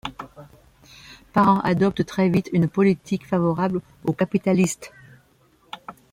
Parent adopte très vite une politique favorable aux capitalistes.